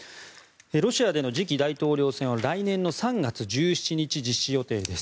ロシアでの次期大統領選は来年の３月１７日実施予定です。